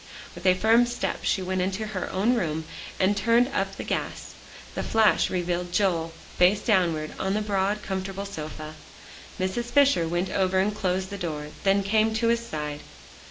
With a firm step she went into her own room, and turned up the gas. The flash revealed Joel, face downward on the broad, comfortable sofa. Mrs. Fisher went over and closed the door, then came to his side.